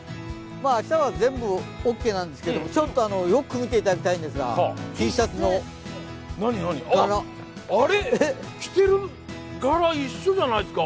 明日は全部オッケーなんですけれどもよく見ていただきたいんですが着てる柄、一緒じゃないですか？